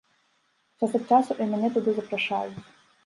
Час ад часу і мяне туды запрашаюць.